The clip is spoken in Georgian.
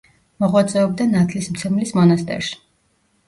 მოღვაწეობდა ნათლისმცემლის მონასტერში.